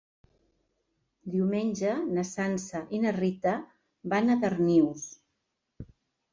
Diumenge na Sança i na Rita van a Darnius.